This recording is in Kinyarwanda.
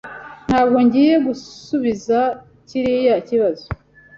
Ntabwo ngiye gusubiza kiriya kibazo.